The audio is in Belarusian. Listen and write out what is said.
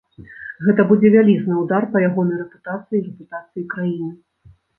Гэта будзе вялізны ўдар па ягонай рэпутацыі і рэпутацыі краіны.